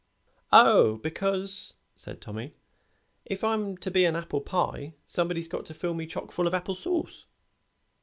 "Oh, because," said Tommy, "if I'm to be an apple pie somebody's got to fill me chock full of apple sauce."